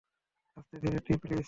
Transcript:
আস্তে ধীরে, টি, প্লিজ!